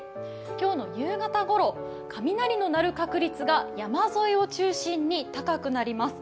今日の夕方ごろ、雷の鳴る確率が山沿いを中心に高くなります。